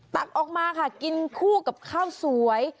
ตักออกมาค่ะกินคู่กับข้าวสวย